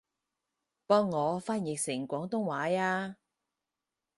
幫我翻譯成廣東話吖